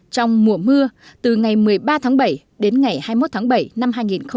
trong mùa mưa từ ngày một mươi ba tháng bảy đến ngày hai mươi một tháng bảy năm hai nghìn một mươi chín